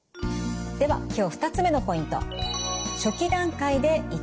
では今日２つ目のポイント。